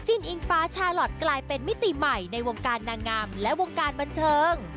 อิงฟ้าชาลอทกลายเป็นมิติใหม่ในวงการนางงามและวงการบันเทิง